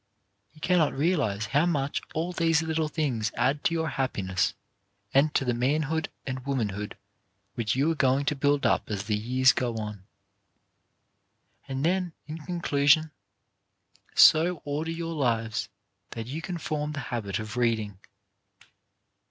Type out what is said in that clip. You cannot realize how much all these little things add to your happiness and to the manhood and womanhood which you are going to build up as the years go on. And then, in conclusion, so order your lives that you can form the habit of reading.